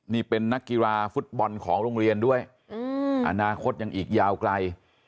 นี่เป็นนักกีฬาฟุตบอลของโรงเรียนด้วยอนาคตยังอีกยาวไกล